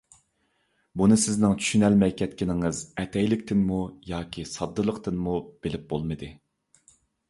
بۇنى سىزنىڭ چۈشىنەلمەي كەتكىنىڭىز ئەتەيلىكتىنمۇ ياكى ساددىلىقتىنمۇ بىلىپ بولمىدى.